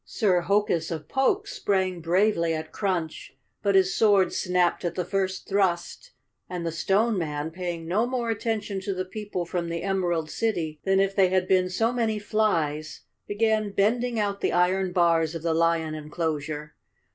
Sir Hokus of Pokes sprang bravely at Crunch, but his sword snapped at the first thrust, and the Stone Man, paying no more attention to the people from the Em¬ erald City than if they had been so many flies, began bending out the iron bars of the lion enclosure.